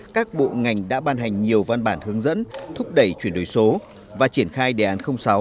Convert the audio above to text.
các bộ ngành đã ban hành nhiều văn bản hướng dẫn thúc đẩy chuyển đổi số và triển khai đề án sáu